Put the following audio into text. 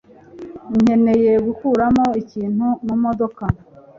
nkeneye gukuramo ikintu mumodoka